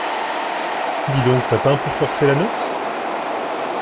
Dis donc, t’as pas un peu forcé la note ?